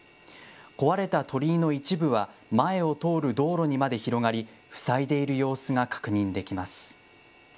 壊れた鳥居の一部は前を通る道路にまで広がり、塞いでいる様子が確認できます。